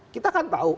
kita kan tahu